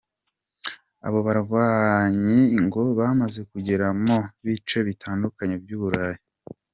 Abo barwanyi ngo bamaze kugera mu bice bitandukanye by’u Burayi.